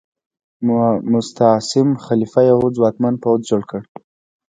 مستعصم خلیفه یو ځواکمن پوځ جوړ کړ.